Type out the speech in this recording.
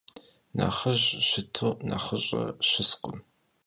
Nexhıj şıtu nexhış'e şıskhım.